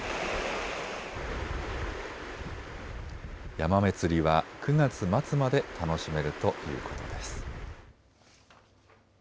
ヤマメ釣りは９月末まで楽しめるということです。